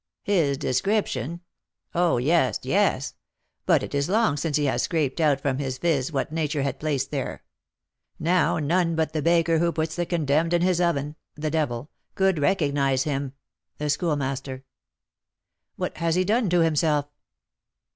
"His description? Oh! yes, yes; but it is long since he has scraped out from his phiz what nature had placed there; now, none but the 'baker who puts the condemned in his oven' (the devil) could recognise him" (the Schoolmaster). "What has he done to himself?"